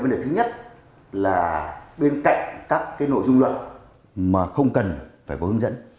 vấn đề thứ nhất là bên cạnh các nội dung luận mà không cần phải có hướng dẫn